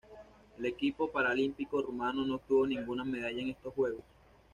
El equipo paralímpico rumano no obtuvo ninguna medalla en estos Juegos.